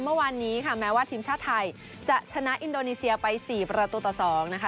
เมื่อวานนี้ค่ะแม้ว่าทีมชาติไทยจะชนะอินโดนีเซียไป๔ประตูต่อ๒นะคะ